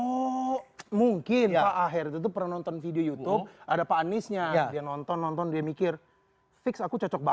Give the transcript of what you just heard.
oh mungkin ya akhir tutup penonton video youtube ada panisnya dia nonton nonton demikian aku cocok